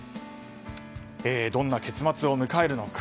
どんな結末を迎えるか。